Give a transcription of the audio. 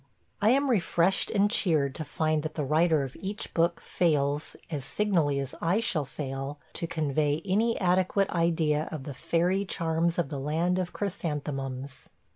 I am refreshed and cheered to find that the writer of each book fails, as signally as I shall fail, to convey any adequate idea of the fairy charms of the Land of Chrysanthemums.